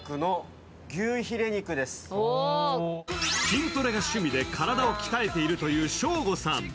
筋トレが趣味で体を鍛えているというショーゴさん。